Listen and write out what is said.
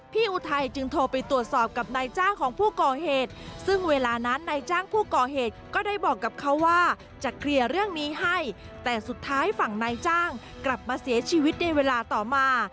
อุทัยจึงโทรไปตรวจสอบกับนายจ้างของผู้ก่อเหตุซึ่งเวลานั้นนายจ้างผู้ก่อเหตุก็ได้บอกกับเขาว่าจะเคลียร์เรื่องนี้ให้แต่สุดท้ายฝั่งนายจ้างกลับมาเสียชีวิตในเวลาต่อมา